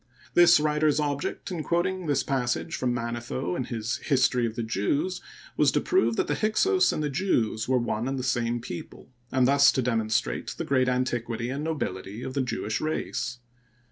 This writer's object, in quoting this passage from Manetho in his " History of the Jews," was to prove that the Hyksos and the Jews were one and the same people, and thus to demonstrate the great antiquity and nobility of the Jewish race.